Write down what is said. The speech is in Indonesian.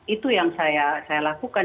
itu yang saya lakukan